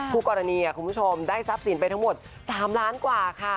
ผู้กรณีคุณผู้ชมได้ทรัพย์สินไปทั้งหมด๓ล้านกว่าค่ะ